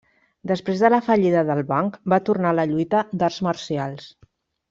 Després de la fallida del banc va tornar a la lluita d'arts marcials.